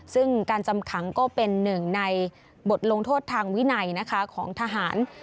ซึ่งการจำขังก็เป็นหนึ่งในบทลงโทษทางวินัยนะคะของทหาร